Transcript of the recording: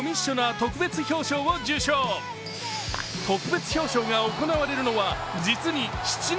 特別表彰が行われるのは実に７年